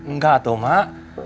nggak tuh mak